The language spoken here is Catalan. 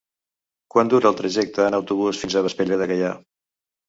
Quant dura el trajecte en autobús fins a Vespella de Gaià?